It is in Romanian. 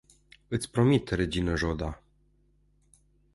Iti promit, regina Jodha.